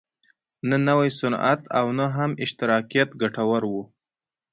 نه نوی صنعت او نه هم اشتراکیت ګټور و.